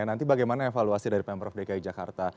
nanti bagaimana evaluasi dari pemprov dki jakarta